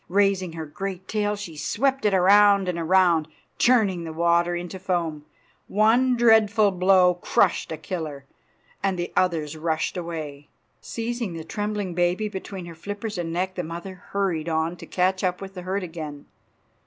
Raising her great tail she swept it around and around, churning the water into foam. One dreadful blow crushed a killer, and the others rushed away. Seizing the trembling baby between her flippers and neck the mother hurried on to catch up with the herd again.